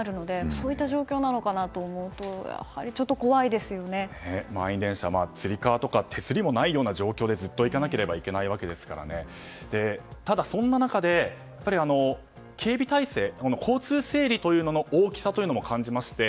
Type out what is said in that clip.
そういった状況なのかと思うと満員電車、つり革とか手すりもない状況でずっと行かなきゃいけないのでただ、そんな中で警備態勢交通整理というものの大きさというのも感じまして。